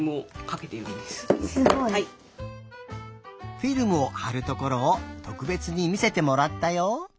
フィルムをはるところをとくべつにみせてもらったよ。